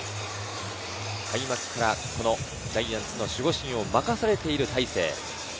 開幕からジャイアンツの守護神を任されている大勢。